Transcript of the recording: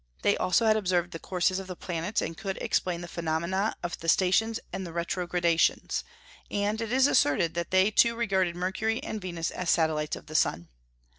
They also had observed the courses of the planets, and could explain the phenomena of the stations and retrogradations; and it is asserted too that they regarded Mercury and Venus as satellites of the sun.